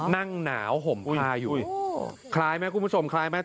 นั่งหนาวห่มคาอยู่คล้ายไหมคุณผู้ชมคล้ายไหม